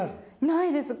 ないです。